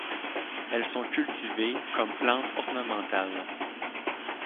Elles sont cultivées comme plantes ornementales.